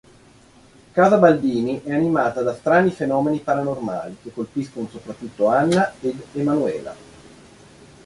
Casa Baldini è animata da strani fenomeni paranormali che colpiscono soprattutto Anna ed Emanuela.